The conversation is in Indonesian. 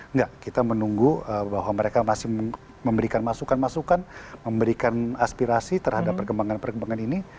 enggak kita menunggu bahwa mereka masih memberikan masukan masukan memberikan aspirasi terhadap perkembangan perkembangan ini